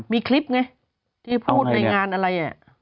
มีคลิปไงที่พูดในงานอะไร